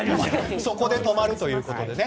そこで泊まるということでね。